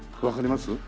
わかります？